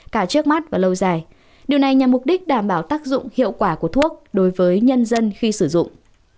cả trước mắt và lâu dài điều này nhằm mục đích đảm bảo tác dụng hiệu quả của thuốc đối với nhân dân khi sử dụng